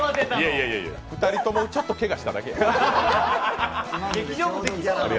２人とも、ちょっとけがしただけや。